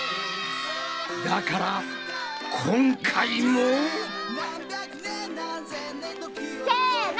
だから今回も！せの！